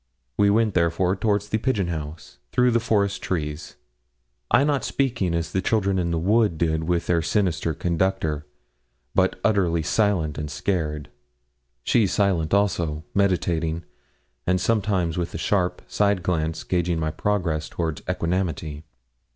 We went, therefore, towards the pigeon house, through the forest trees; I not speaking as the children in the wood did with their sinister conductor, but utterly silent and scared; she silent also, meditating, and sometimes with a sharp side glance gauging my progress towards equanimity.